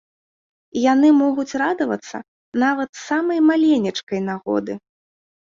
Яны могуць радавацца нават з самай маленечкай нагоды.